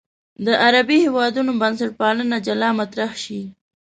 د عربي هېوادونو بنسټپالنه جلا مطرح شي.